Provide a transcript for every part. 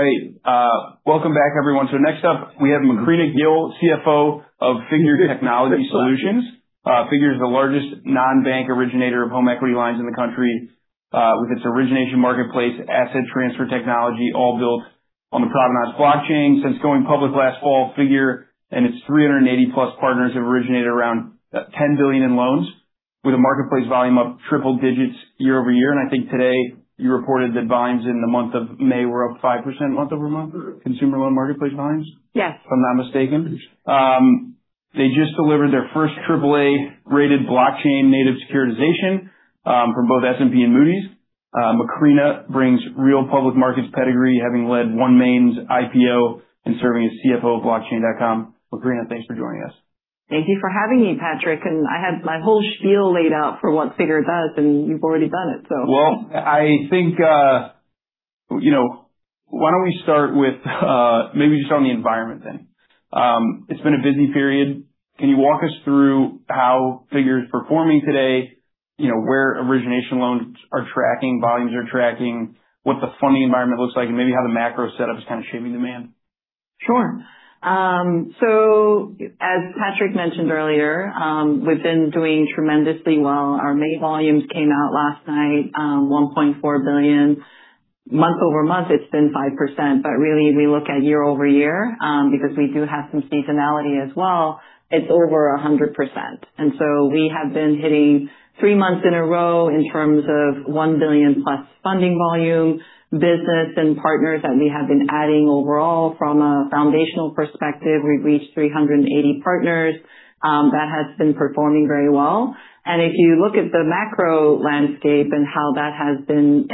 All right. Welcome back, everyone. Next up we have Macrina Kgil, CFO of Figure Technology Solutions. Figure is the largest non-bank originator of home equity lines in the country, with its origination marketplace, asset transfer technology all built on the Provenance blockchain. Since going public last fall, Figure and its 380+ partners have originated around $10 billion in loans with a marketplace volume up triple digits year-over-year. I think today you reported that volumes in the month of May were up 5% month-over-month, consumer loan marketplace volumes. Yes. if I'm not mistaken. They just delivered their first AAA-rated blockchain native securitization from both S&P and Moody's. Macrina brings real public markets pedigree, having led OneMain's IPO and serving as CFO of Blockchain.com. Macrina, thanks for joining us. Thank you for having me, Patrick. I had my whole spiel laid out for what Figure does, and you've already done it. Well, I think, why don't we start with maybe just on the environment then. It's been a busy period. Can you walk us through how Figure is performing today? Where origination loans are tracking, volumes are tracking, what the funding environment looks like, and maybe how the macro setup is kind of shaping demand? Sure. As Patrick mentioned earlier, we've been doing tremendously well. Our May volumes came out last night, $1.4 billion. Month-over-month, it's been 5%, but really, we look at year-over-year, because we do have some seasonality as well. It's over 100%. We have been hitting three months in a row in terms of $1 billion-plus funding volume business and partners that we have been adding overall from a foundational perspective. We've reached 380 partners. That has been performing very well. If you look at the macro landscape and how that has been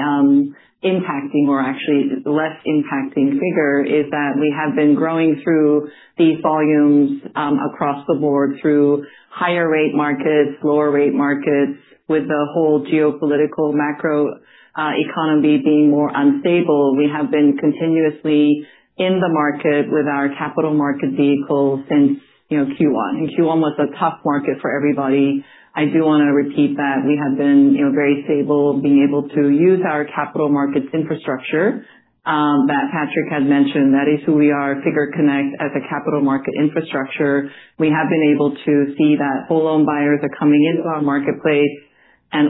impacting or actually less impacting Figure, is that we have been growing through these volumes, across the board, through higher rate markets, lower rate markets, with the whole geopolitical macro economy being more unstable. We have been continuously in the market with our capital market vehicle since Q1, and Q1 was a tough market for everybody. I do want to repeat that we have been very stable, being able to use our capital markets infrastructure that Patrick had mentioned. That is who we are, Figure Connect as a capital market infrastructure. We have been able to see that whole loan buyers are coming into our marketplace and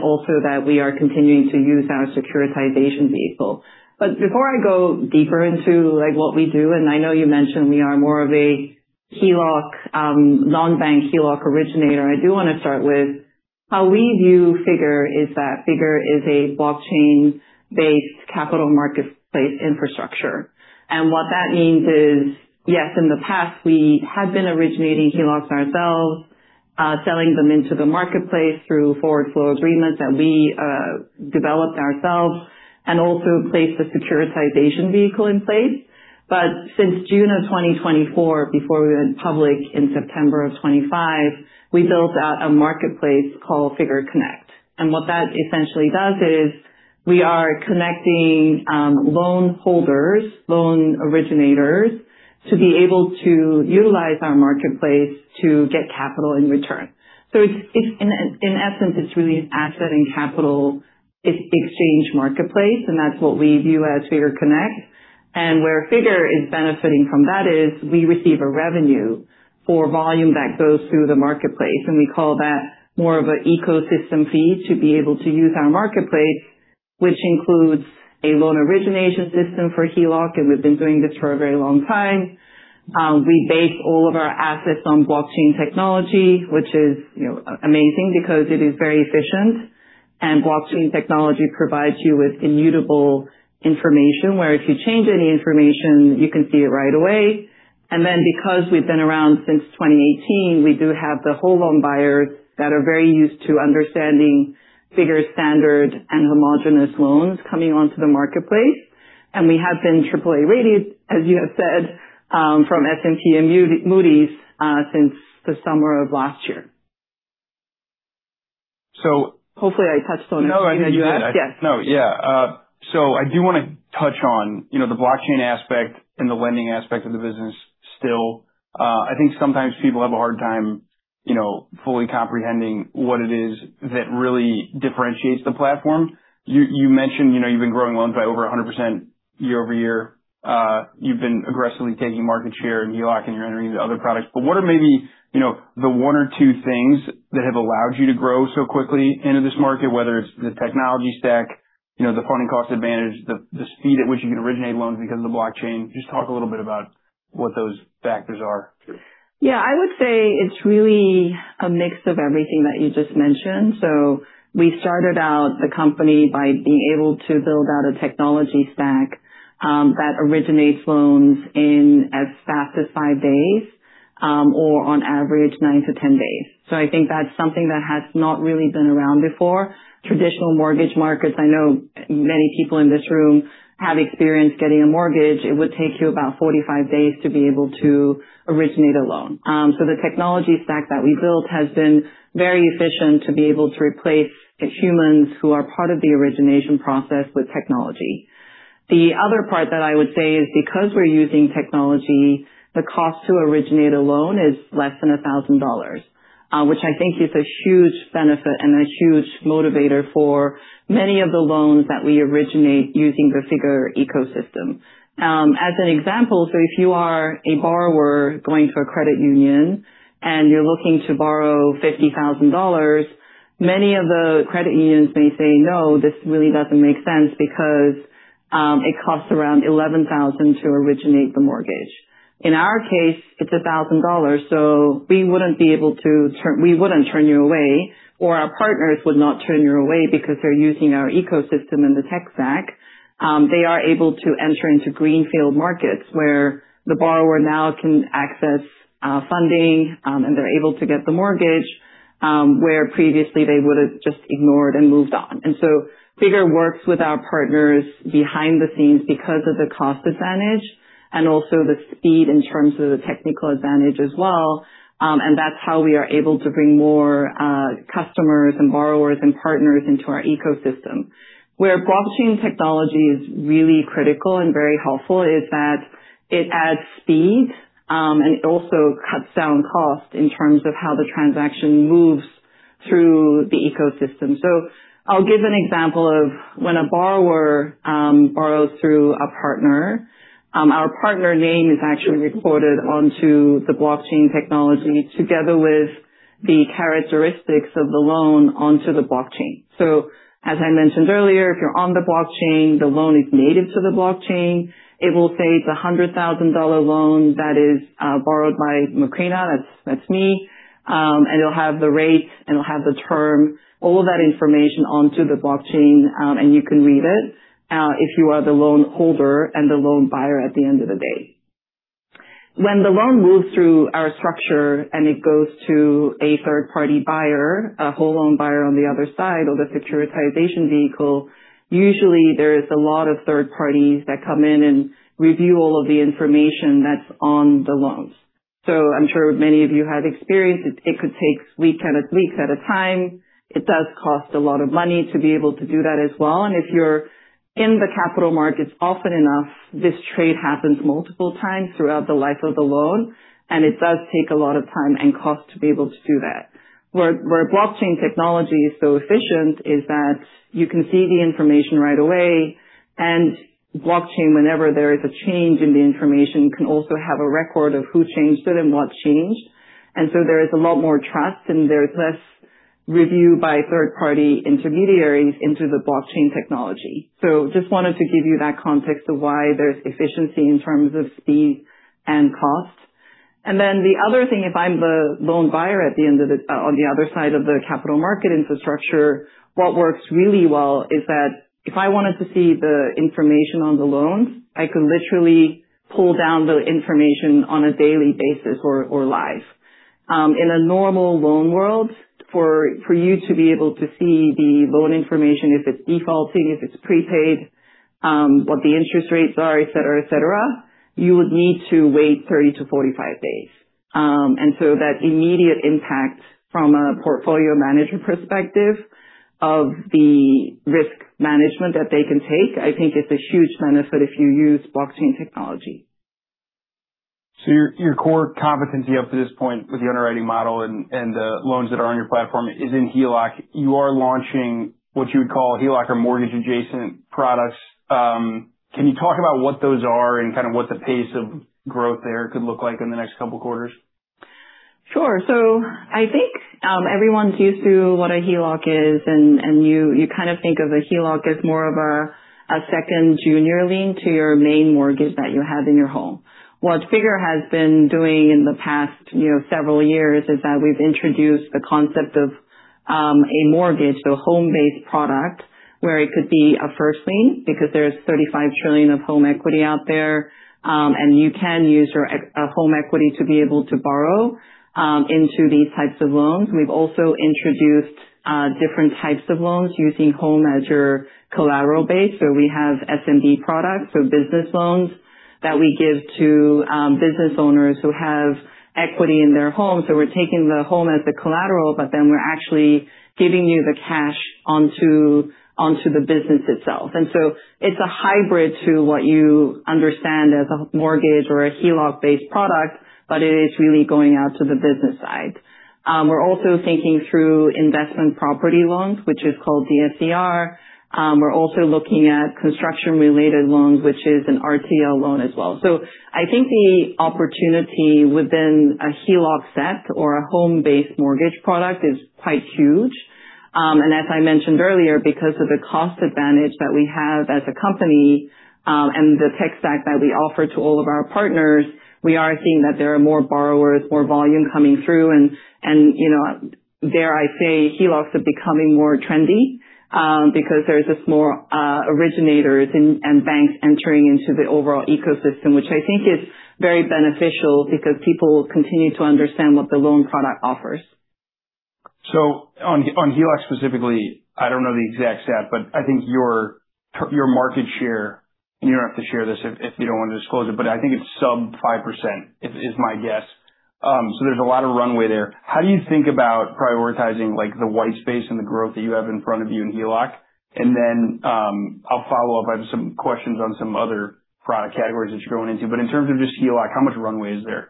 also that we are continuing to use our securitization vehicle. Before I go deeper into what we do, and I know you mentioned we are more of a non-bank HELOC originator, I do want to start with how we view Figure, is that Figure is a blockchain-based capital marketplace infrastructure. What that means is, yes, in the past we had been originating HELOCs ourselves, selling them into the marketplace through forward flow agreements that we developed ourselves, and also placed a securitization vehicle in place. Since June of 2024, before we went public in September of 2023, we built out a marketplace called Figure Connect. What that essentially does is we are connecting loan holders, loan originators, to be able to utilize our marketplace to get capital in return. In essence, it's really an asset and capital exchange marketplace, and that's what we view as Figure Connect. Where Figure is benefiting from that is we receive a revenue for volume that goes through the marketplace, and we call that more of an ecosystem fee to be able to use our marketplace, which includes a loan origination system for HELOC, and we've been doing this for a very long time. We base all of our assets on blockchain technology, which is amazing because it is very efficient. Blockchain technology provides you with immutable information, where if you change any information, you can see it right away. Because we've been around since 2018, we do have the whole loan buyers that are very used to understanding Figure's standard and homogenous loans coming onto the marketplace. We have been AAA-rated, as you have said, from S&P and Moody's, since the summer of last year. So- Hopefully I touched on everything you asked. No, I think you did. Yes. No. Yeah. I do want to touch on the blockchain aspect and the lending aspect of the business still. I think sometimes people have a hard time fully comprehending what it is that really differentiates the platform. You mentioned you've been growing loans by over 100% year-over-year. You've been aggressively taking market share in HELOC and you're entering into other products. What are maybe the one or two things that have allowed you to grow so quickly into this market, whether it's the technology stack, the funding cost advantage, the speed at which you can originate loans because of the blockchain. Just talk a little bit about what those factors are. Yeah, I would say it's really a mix of everything that you just mentioned. We started out the company by being able to build out a technology stack that originates loans in as fast as five days, or on average nine to 10 days. I think that's something that has not really been around before. Traditional mortgage markets, I know many people in this room have experience getting a mortgage. It would take you about 45 days to be able to originate a loan. The technology stack that we built has been very efficient to be able to replace humans who are part of the origination process with technology. The other part that I would say is because we're using technology, the cost to originate a loan is less than $1,000. Which I think is a huge benefit and a huge motivator for many of the loans that we originate using the Figure ecosystem. As an example, if you are a borrower going to a credit union and you're looking to borrow $50,000, many of the credit unions may say, "No, this really doesn't make sense because it costs around $11,000 to originate the mortgage." In our case, it's $1,000, we wouldn't turn you away, or our partners would not turn you away because they're using our ecosystem and the tech stack. They are able to enter into greenfield markets where the borrower now can access funding, and they're able to get the mortgage, where previously they would've just ignored and moved on. Figure works with our partners behind the scenes because of the cost advantage and also the speed in terms of the technical advantage as well. That's how we are able to bring more customers and borrowers and partners into our ecosystem. Where blockchain technology is really critical and very helpful is that it adds speed, and it also cuts down cost in terms of how the transaction moves through the ecosystem. I'll give an example of when a borrower borrows through a partner. Our partner name is actually recorded onto the blockchain technology together with the characteristics of the loan onto the blockchain. As I mentioned earlier, if you're on the blockchain, the loan is native to the blockchain. It will say it's $100,000 loan that is borrowed by Macrina, that's me. It'll have the rate, and it'll have the term, all of that information onto the blockchain, and you can read it, if you are the loan holder and the loan buyer at the end of the day. When the loan moves through our structure and it goes to a third-party buyer, a whole loan buyer on the other side or the securitization vehicle, usually there is a lot of third parties that come in and review all of the information that's on the loans. I'm sure many of you have experienced it. It could take weeks at a time. It does cost a lot of money to be able to do that as well. If you're in the capital markets often enough, this trade happens multiple times throughout the life of the loan, and it does take a lot of time and cost to be able to do that. Where blockchain technology is so efficient is that you can see the information right away, and blockchain, whenever there is a change in the information, can also have a record of who changed it and what changed. There is a lot more trust, and there's less review by third party intermediaries into the blockchain technology. Just wanted to give you that context of why there's efficiency in terms of speed and cost. The other thing, if I'm the loan buyer on the other side of the capital market infrastructure, what works really well is that if I wanted to see the information on the loans, I could literally pull down the information on a daily basis or live. In a normal loan world, for you to be able to see the loan information, if it's defaulting, if it's prepaid, what the interest rates are, et cetera, you would need to wait 30-45 days. That immediate impact from a portfolio management perspective of the risk management that they can take, I think is a huge benefit if you use blockchain technology. Your core competency up to this point with the underwriting model and the loans that are on your platform is in HELOC. You are launching what you would call HELOC or mortgage-adjacent products. Can you talk about what those are and what the pace of growth there could look like in the next couple quarters? Sure. I think, everyone's used to what a HELOC is, and you think of a HELOC as more of a second junior lien to your main mortgage that you have in your home. What Figure has been doing in the past several years is that we've introduced the concept of a mortgage, so home-based product, where it could be a first lien because there's $35 trillion of home equity out there. You can use your home equity to be able to borrow into these types of loans. We've also introduced different types of loans using home as your collateral base. We have SMB products or business loans that we give to business owners who have equity in their home. We're taking the home as the collateral, but then we're actually giving you the cash onto the business itself. It's a hybrid to what you understand as a mortgage or a HELOC-based product, but it is really going out to the business side. We're also thinking through investment property loans, which is called DSCR. We're also looking at construction-related loans, which is an RTL loan as well. I think the opportunity within a HELOC set or a home-based mortgage product is quite huge. As I mentioned earlier, because of the cost advantage that we have as a company, and the tech stack that we offer to all of our partners, we are seeing that there are more borrowers, more volume coming through and dare I say, HELOCs are becoming more trendy, because there's just more originators and banks entering into the overall ecosystem, which I think is very beneficial because people continue to understand what the loan product offers. On HELOC specifically, I don't know the exact stat, but I think your market share, and you don't have to share this if you don't want to disclose it, but I think it's sub 5%, is my guess. There's a lot of runway there. How do you think about prioritizing the white space and the growth that you have in front of you in HELOC? Then, I'll follow up. I have some questions on some other product categories that you're going into. In terms of just HELOC, how much runway is there?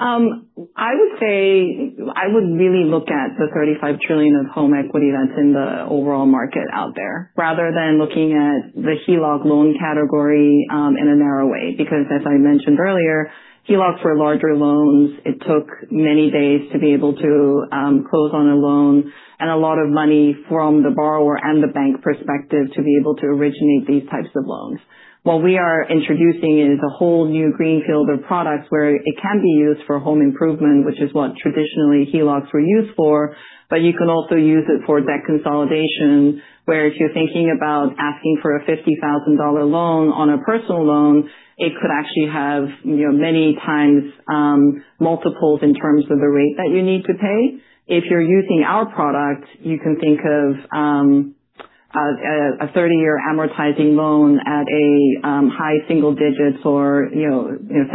I would say I would really look at the $35 trillion of home equity that's in the overall market out there, rather than looking at the HELOC loan category in a narrow way. Because as I mentioned earlier, HELOCs were larger loans. It took many days to be able to close on a loan, and a lot of money from the borrower and the bank perspective to be able to originate these types of loans. What we are introducing is a whole new greenfield of products where it can be used for home improvement, which is what traditionally HELOCs were used for, but you can also use it for debt consolidation, where if you're thinking about asking for a $50,000 loan on a personal loan, it could actually have many times multiples in terms of the rate that you need to pay. If you're using our product, you can think of a 30-year amortizing loan at a high single digits or 7%-9%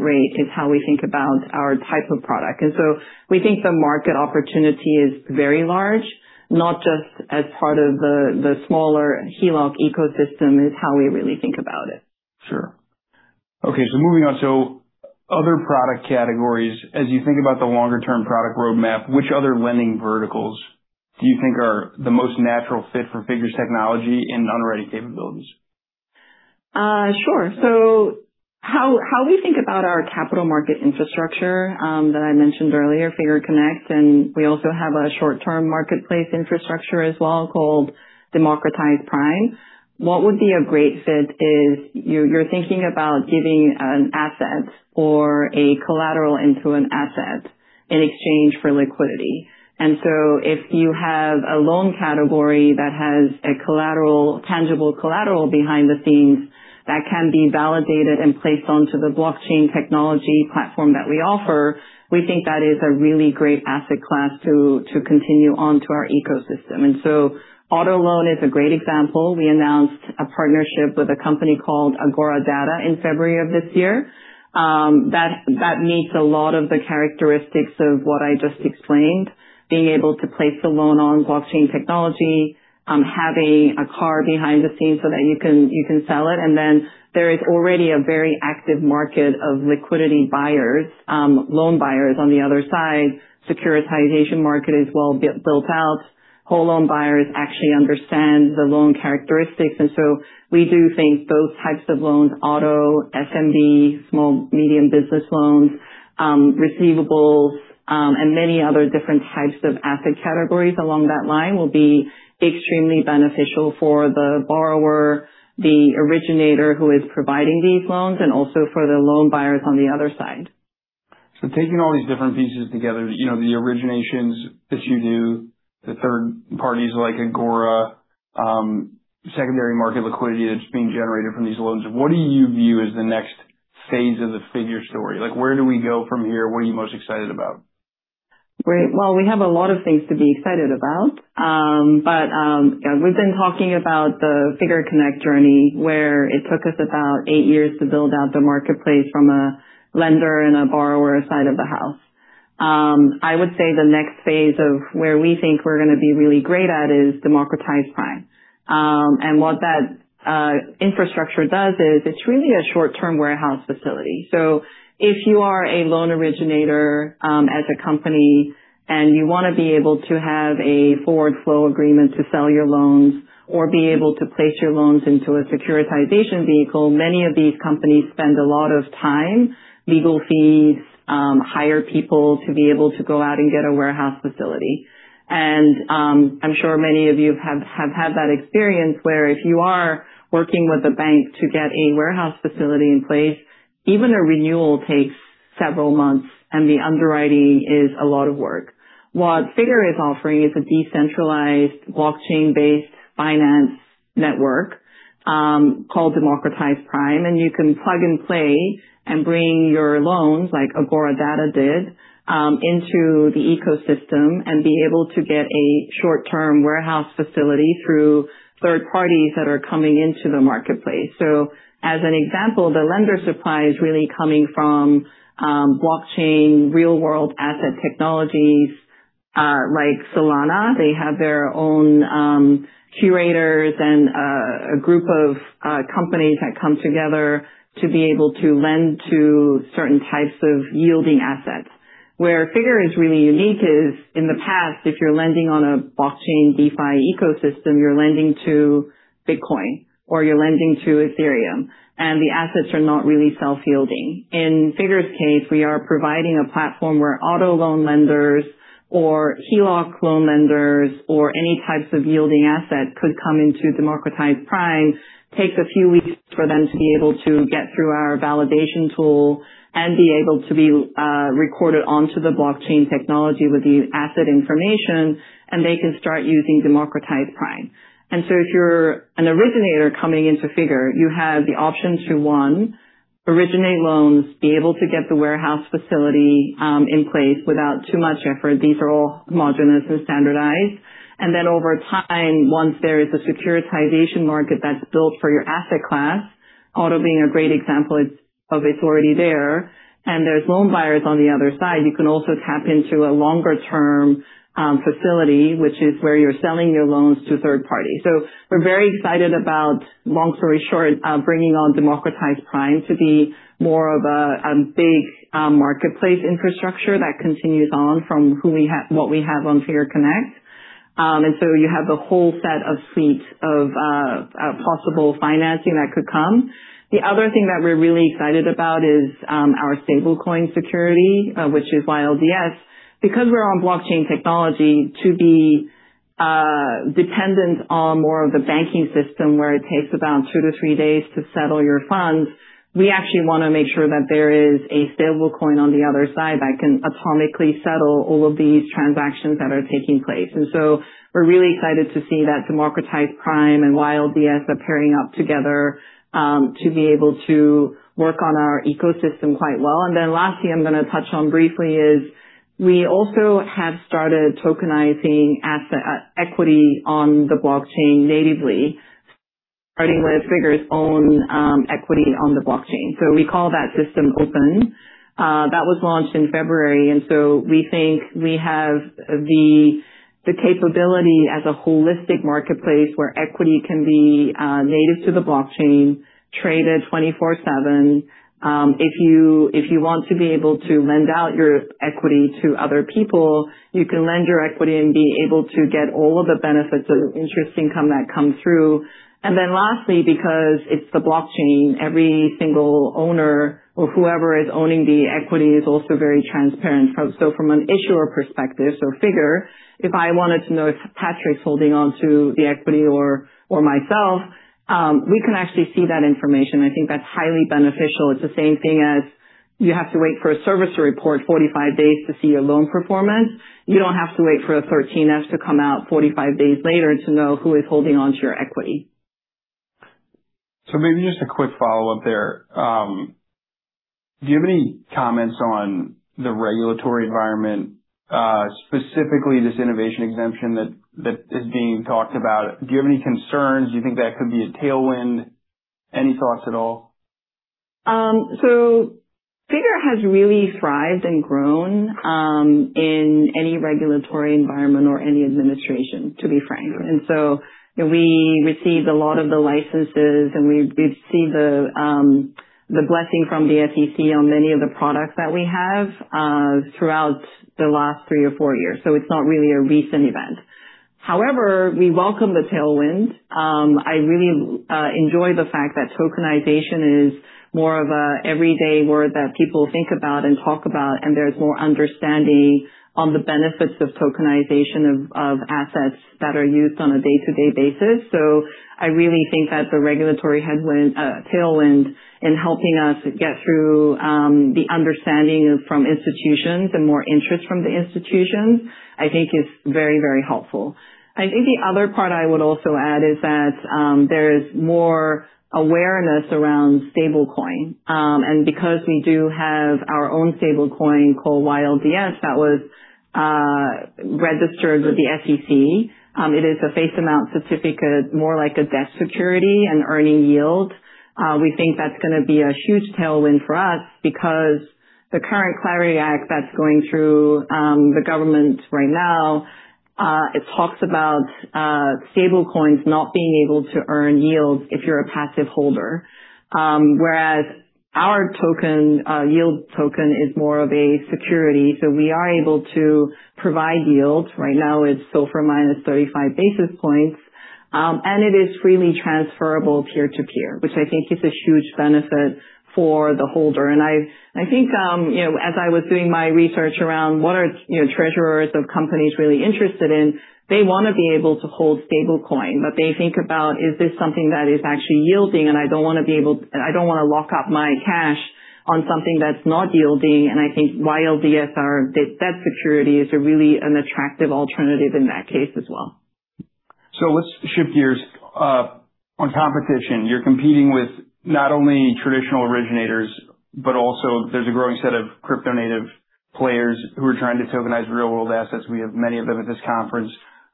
rate is how we think about our type of product. We think the market opportunity is very large, not just as part of the smaller HELOC ecosystem, is how we really think about it. Sure. Okay, moving on. Other product categories, as you think about the longer term product roadmap, which other lending verticals do you think are the most natural fit for Figure's technology and underwriting capabilities? Sure. How we think about our capital market infrastructure, that I mentioned earlier, Figure Connect, and we also have a short-term marketplace infrastructure as well called Democratized Prime. What would be a great fit is you're thinking about giving an asset or a collateral into an asset in exchange for liquidity. If you have a loan category that has tangible collateral behind the scenes that can be validated and placed onto the blockchain technology platform that we offer, we think that is a really great asset class to continue onto our ecosystem. Auto loan is a great example. We announced a partnership with a company called Agora Data in February of this year. That meets a lot of the characteristics of what I just explained, being able to place the loan on blockchain technology, having a car behind the scenes so that you can sell it. There is already a very active market of liquidity buyers, loan buyers on the other side. Securitization market is well built out. Whole loan buyers actually understand the loan characteristics. We do think those types of loans, auto, SMB, small medium business loans, receivables, and many other different types of asset categories along that line will be extremely beneficial for the borrower, the originator who is providing these loans, and also for the loan buyers on the other side. Taking all these different pieces together, the originations that you do, the third parties like Agora, secondary market liquidity that's being generated from these loans, what do you view as the next phase of the Figure story? Where do we go from here? What are you most excited about? Well, we have a lot of things to be excited about. We've been talking about the Figure Connect journey, where it took us about eight years to build out the marketplace from a lender and a borrower side of the house. I would say the next phase of where we think we're going to be really great at is Democratized Prime. What that infrastructure does is it's really a short-term warehouse facility. If you are a loan originator, as a company, and you want to be able to have a forward flow agreement to sell your loans or be able to place your loans into a securitization vehicle, many of these companies spend a lot of time, legal fees, hire people to be able to go out and get a warehouse facility. I'm sure many of you have had that experience where if you are working with a bank to get a warehouse facility in place, even a renewal takes several months, and the underwriting is a lot of work. What Figure is offering is a decentralized, blockchain-based finance network, called Democratized Prime, and you can plug and play and bring your loans, like Agora Data did, into the ecosystem and be able to get a short-term warehouse facility through third parties that are coming into the marketplace. As an example, the lender supply is really coming from blockchain real-world asset technologies, like Solana. They have their own curators and a group of companies that come together to be able to lend to certain types of yielding assets. Where Figure is really unique is, in the past, if you're lending on a blockchain DeFi ecosystem, you're lending to Bitcoin or you're lending to Ethereum, and the assets are not really self-yielding. In Figure's case, we are providing a platform where auto loan lenders or HELOC loan lenders or any types of yielding asset could come into Democratized Prime, takes a few weeks for them to be able to get through our validation tool and be able to be recorded onto the blockchain technology with the asset information, and they can start using Democratized Prime. If you're an originator coming into Figure, you have the option to, one, originate loans, be able to get the warehouse facility in place without too much effort. These are all homogeneous and standardized. Then over time, once there is a securitization market that's built for your asset class, auto being a great example of it's already there, and there's loan buyers on the other side, you can also tap into a longer-term facility, which is where you're selling your loans to a third party. We're very excited about, long story short, bringing on Democratized Prime to be more of a big marketplace infrastructure that continues on from what we have on Figure Connect. You have the whole set of suite of possible financing that could come. The other thing that we're really excited about is our stablecoin security, which is YLDS. Because we're on blockchain technology to be dependent on more of the banking system, where it takes about two to three days to settle your funds, we actually want to make sure that there is a stablecoin on the other side that can atomically settle all of these transactions that are taking place. We're really excited to see that Democratized Prime and YLDS are pairing up together, to be able to work on our ecosystem quite well. Lastly, I'm going to touch on briefly is we also have started tokenizing asset equity on the blockchain natively, starting with Figure's own equity on the blockchain. We call that system OPEN. That was launched in February. We think we have the capability as a holistic marketplace where equity can be native to the blockchain, traded 24 seven. If you want to be able to lend out your equity to other people, you can lend your equity and be able to get all of the benefits of interest income that comes through. Lastly, because it's the blockchain, every single owner or whoever is owning the equity is also very transparent. From an issuer perspective, Figure, if I wanted to know if Patrick's holding on to the equity or myself, we can actually see that information. I think that's highly beneficial. It's the same thing as you have to wait for a servicer report 45 days to see your loan performance. You don't have to wait for a Form 13F to come out 45 days later to know who is holding onto your equity. Maybe just a quick follow-up there. Do you have any comments on the regulatory environment, specifically this innovation exemption that is being talked about? Do you have any concerns? Do you think that could be a tailwind? Any thoughts at all? Figure has really thrived and grown, in any regulatory environment or any administration, to be frank. We received a lot of the licenses, and we've received the blessing from the SEC on many of the products that we have throughout the last three or four years. It's not really a recent event. However, we welcome the tailwind. I really enjoy the fact that tokenization is more of a everyday word that people think about and talk about, and there's more understanding on the benefits of tokenization of assets that are used on a day-to-day basis. I really think that the regulatory tailwind in helping us get through the understanding from institutions and more interest from the institutions, I think is very helpful. I think the other part I would also add is that there is more awareness around stablecoin. Because we do have our own stablecoin called YLDS, that was registered with the SEC, it is a face amount certificate, more like a debt security and earning yield. We think that's going to be a huge tailwind for us because the current Clarity for Payment Stablecoins Act that's going through the government right now, it talks about stablecoins not being able to earn yields if you're a passive holder. Whereas our yield token is more of a security, so we are able to provide yields. Right now, it's SOFR minus 35 basis points. It is freely transferable peer-to-peer, which I think is a huge benefit for the holder. I think as I was doing my research around what are treasurers of companies really interested in, they want to be able to hold stablecoin. They think about, is this something that is actually yielding? I don't want to lock up my cash on something that's not yielding. I think YLDS, our debt security, is really an attractive alternative in that case as well. Let's shift gears. On competition, you're competing with not only traditional originators, but also there's a growing set of crypto native players who are trying to tokenize real-world assets. We have many of them at this conference.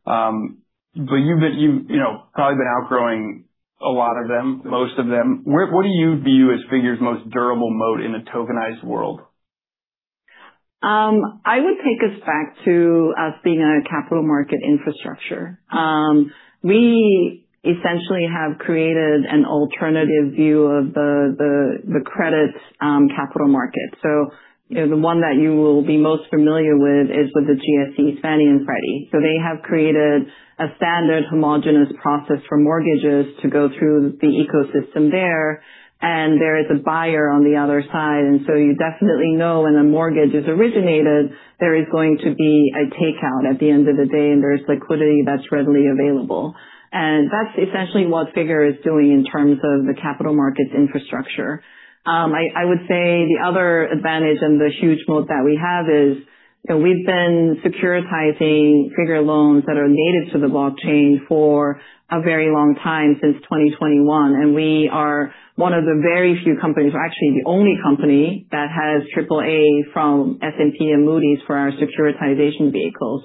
You've probably been outgrowing a lot of them, most of them. What do you view as Figure's most durable moat in a tokenized world? I would take us back to us being a capital market infrastructure. We essentially have created an alternative view of the credit capital market. The one that you will be most familiar with is with the GSE, Fannie and Freddie. They have created a standard homogeneous process for mortgages to go through the ecosystem there. There is a buyer on the other side. You definitely know when a mortgage is originated, there is going to be a takeout at the end of the day, and there's liquidity that's readily available. That's essentially what Figure is doing in terms of the capital markets infrastructure. I would say the other advantage and the huge moat that we have is we've been securitizing Figure loans that are native to the blockchain for a very long time, since 2021. We are one of the very few companies, or actually the only company that has AAA from S&P and Moody's for our securitization vehicle.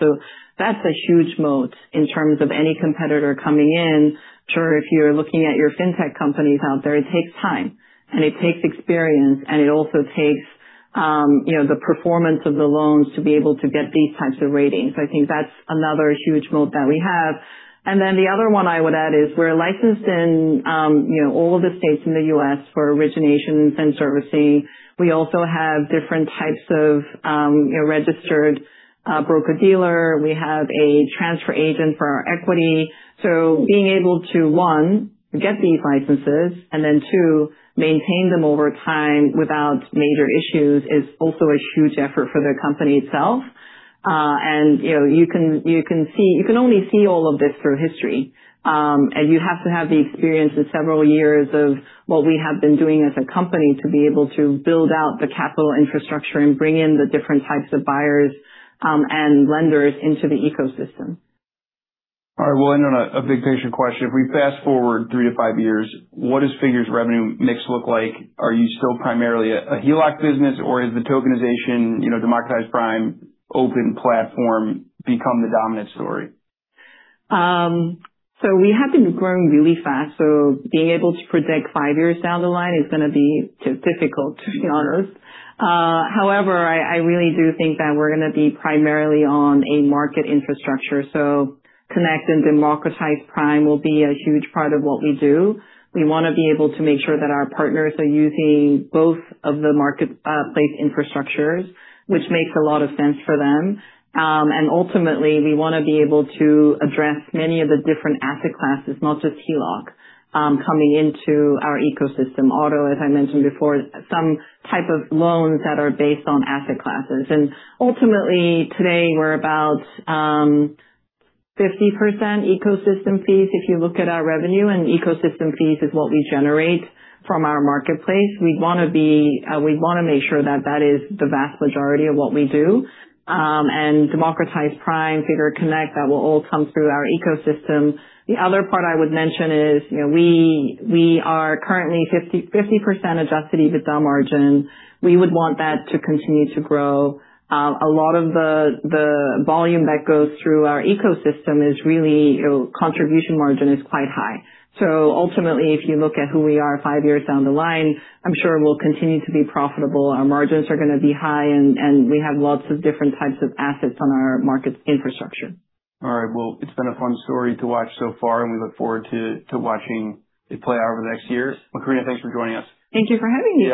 That's a huge moat in terms of any competitor coming in. Sure, if you're looking at your fintech companies out there, it takes time, and it takes experience, and it also takes the performance of the loans to be able to get these types of ratings. I think that's another huge moat that we have. The other one I would add is we're licensed in all of the states in the U.S. for originations and servicing. We also have different types of registered broker-dealer. We have a transfer agent for our equity. Being able to, one, get these licenses and then, two, maintain them over time without major issues is also a huge effort for the company itself. You can only see all of this through history, and you have to have the experience of several years of what we have been doing as a company to be able to build out the capital infrastructure and bring in the different types of buyers and lenders into the ecosystem. All right. We'll end on a big picture question. If we fast-forward three to five years, what does Figure's revenue mix look like? Are you still primarily a HELOC business, or is the tokenization Democratized Prime OPEN platform become the dominant story? We have been growing really fast, being able to predict five years down the line is going to be difficult, to be honest. However, I really do think that we're going to be primarily on a market infrastructure. Connect and Democratized Prime will be a huge part of what we do. We want to be able to make sure that our partners are using both of the marketplace infrastructures, which makes a lot of sense for them. Ultimately, we want to be able to address many of the different asset classes, not just HELOC, coming into our ecosystem. Auto, as I mentioned before, some type of loans that are based on asset classes. Ultimately, today, we're about 50% ecosystem fees, if you look at our revenue, and ecosystem fees is what we generate from our marketplace. We want to make sure that that is the vast majority of what we do. Democratized Prime, Figure Connect, that will all come through our ecosystem. The other part I would mention is we are currently 50% adjusted EBITDA margin. We would want that to continue to grow. A lot of the volume that goes through our ecosystem is really, contribution margin is quite high. Ultimately, if you look at who we are five years down the line, I'm sure we'll continue to be profitable. Our margins are going to be high, and we have lots of different types of assets on our markets infrastructure. All right. Well, it's been a fun story to watch so far, and we look forward to watching it play out over the next years. Macrina, thanks for joining us. Thank you for having me.